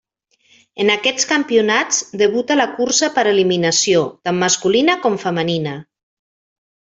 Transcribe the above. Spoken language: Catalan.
En aquests campionats debuta la cursa per eliminació, tant masculina com femenina.